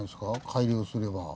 改良すれば。